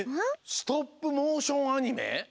ストップモーションアニメ？